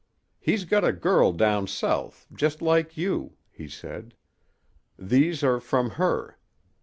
"He's got a girl down south just like you," he said. "These are from her.